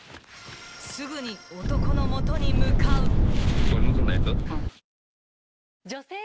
［すぐに男の元に向かう］